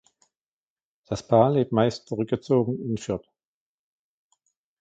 Das Paar lebt meist zurückgezogen in Fürth.